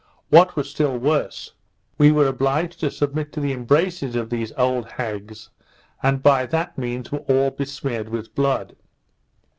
What was still worse, we were obliged to submit to the embraces of these old hags, and by that means were all besmeared with blood.